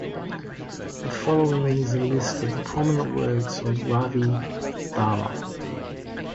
The following is a list of the prominent works of Ravi Varma.